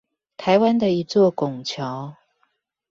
台灣的一座拱橋